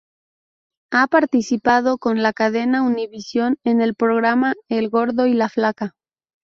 Ha participado con la cadena Univisión en el programa El gordo y la flaca.